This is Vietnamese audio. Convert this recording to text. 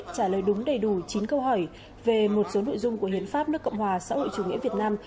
trả lời đúng đầy đủ chín câu hỏi về một số nội dung của hiến pháp nước cộng hòa xã hội chủ nghĩa việt nam